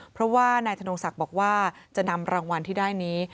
เพราะว่านายธนงศักดิ์บอกว่าจะนำรางวัลที่ได้นี้